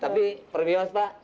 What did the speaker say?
tapi perbios pak